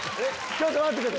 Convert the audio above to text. ちょっと待って。